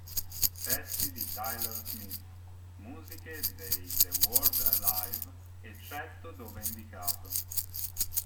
Testi di Tyler Smith, musiche dei The Word Alive, eccetto dove indicato.